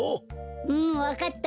うんわかった。